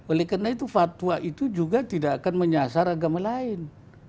oleh karena itu fatwa itu juga tidak akan menyasar agama lain